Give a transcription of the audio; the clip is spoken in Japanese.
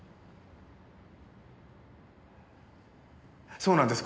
そうなんです。